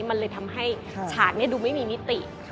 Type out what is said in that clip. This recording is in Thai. มันเลยทำให้ฉากนี้ดูไม่มีมิติ